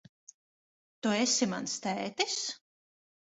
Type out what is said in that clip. Tu esi mans tētis?